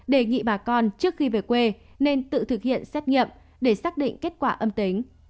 đề nghị bà con trước khi về quê nên tự thực hiện xét nghiệm để xác định kết quả âm tính